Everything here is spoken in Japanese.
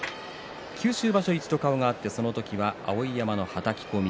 九州場所に一度、顔が合ってその時は碧山がはたき込み。